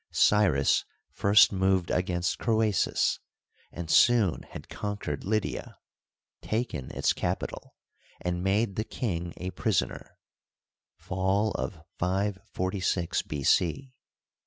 Cyrus first moved against Croesus, and soon had conquered Lydia, taken its capital, and made the king a prisoner Cfall of 546 B. c).